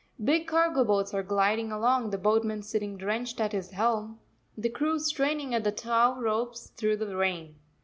Big cargo boats are gliding along, the boatman sitting drenched at his helm, the crew straining at the tow ropes through the rain.